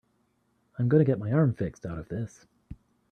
I'm gonna get my arm fixed out of this.